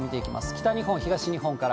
北日本、東日本から。